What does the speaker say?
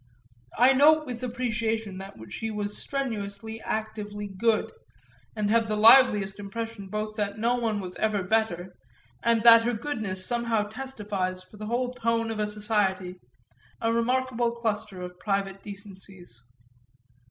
I note with appreciation that she was strenuously, actively good, and have the liveliest impression both that no one was ever better, and that her goodness somehow testifies for the whole tone of a society, a remarkable cluster of private decencies.